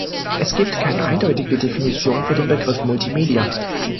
Es gibt keine eindeutige Definition für den Begriff "Multimedia".